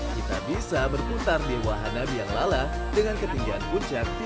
kita bisa berputar di wahana biang lala dengan ketinggian puncak tiga puluh lima meter